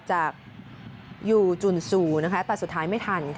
จากอยู่จุ่นสู่แต่สุดท้ายไม่ทัน